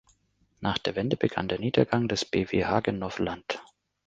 Nach der Wende begann der Niedergang des Bw Hagenow Land.